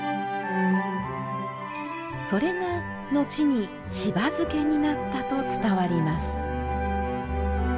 それがのちに、しば漬けになったと伝わります。